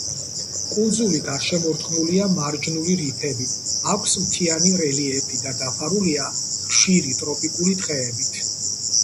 კუნძული გარშემორტყმულია მარჯნული რიფებით, აქვს მთიანი რელიეფი და დაფარულია ხშირი ტროპიკული ტყეებით.